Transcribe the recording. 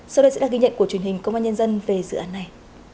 sau đây sẽ là ghi nhận của truyền hình công an nhân dân về dự án này